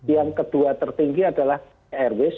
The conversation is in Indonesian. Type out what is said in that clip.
yang kedua tertinggi adalah airways